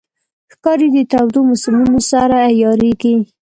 ښکاري د تودو موسمونو سره عیارېږي.